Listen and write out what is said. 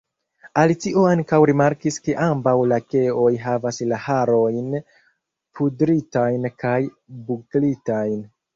Alicio ankaŭ rimarkis ke ambaŭ lakeoj havas la harojn pudritajn kaj buklitajn.